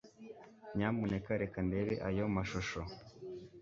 Nyamuneka reka ndebe ayo mashusho